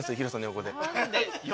横で。